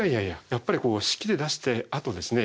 やっぱりこう式で出してあとですね